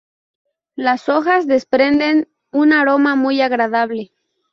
Las hojas desprenden un aroma muy agradable.